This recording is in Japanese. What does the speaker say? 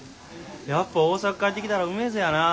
やっぱ大阪帰ってきたらうめづやなぁ。